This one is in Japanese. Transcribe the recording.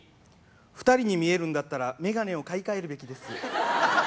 ２人に見えるんだったら眼鏡を買い替えるべきです。